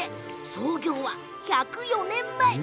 創業は１０４年前。